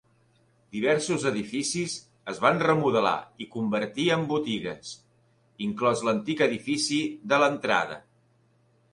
Diversos edificis es van remodelar i convertir en botigues, inclòs l'antic edifici de l'entrada.